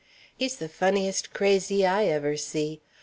He's the funniest crazy I ever see.